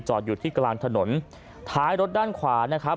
อยู่ที่กลางถนนท้ายรถด้านขวานะครับ